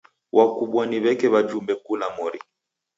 Wabukwa ni w'eke wajumbe kula mori.